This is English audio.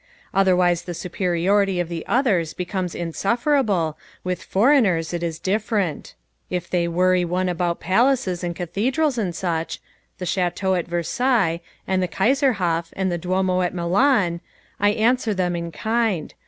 Otherwise the superiority of the others becomes insufferable, with foreigners it is different. If they worry one about palaces and cathedrals and such the Château at Versailles, and the Kaiserhof and the Duomo at Milan I answer them in kind.